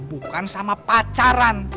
bukan sama pacaran